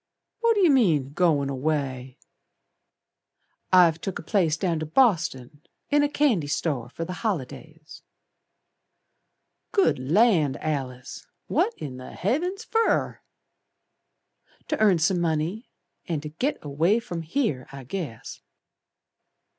What yer mean goin' away?" "I've took a place Down to Boston, in a candy store For the holidays." "Good Land, Alice, What in the Heavens fer!" "To earn some money, And to git away from here, I guess."